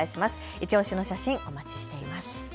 いちオシの写真お待ちしています。